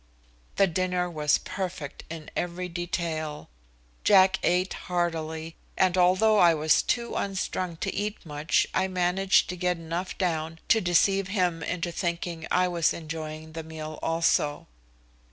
The dinner was perfect in every detail. Jack ate heartily, and although I was too unstrung to eat much I managed to get enough down to deceive him into thinking I was enjoying the meal also.